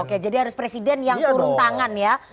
oke jadi harus presiden yang turun tangan ya